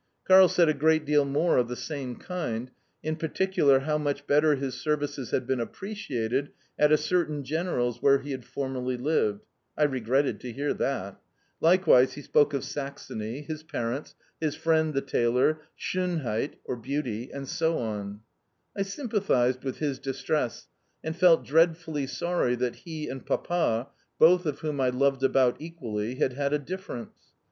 Karl said a great deal more of the same kind in particular how much better his services had been appreciated at a certain general's where he had formerly lived (I regretted to hear that). Likewise he spoke of Saxony, his parents, his friend the tailor, Schonheit (beauty), and so on. I sympathised with his distress, and felt dreadfully sorry that he and Papa (both of whom I loved about equally) had had a difference.